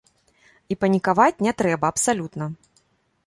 І панікаваць не трэба абсалютна.